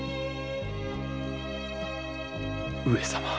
上様。